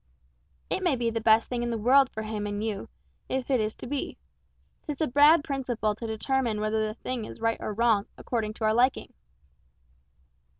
"It may be the best thing in the world for him and you, if it is to be. 'Tis a bad principle to determine whether a thing is right or wrong, according to our liking."